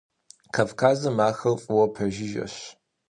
Кавказым ахэр фӏыуэ пэжыжьэщ.